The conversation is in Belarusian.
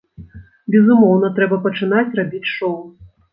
Безумоўна, трэба пачынаць рабіць шоў!